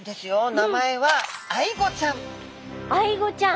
名前はアイゴちゃん。